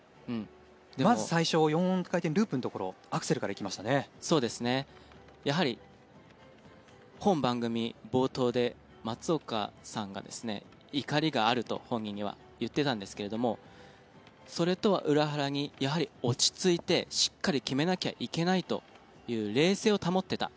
まず最初、４回転ループのところやはり本番組冒頭で松岡さんが、怒りがあると本人にはと言っていたんですがそれとは裏腹にやはり落ち着いてしっかり決めなきゃいけないという冷静を保っていた。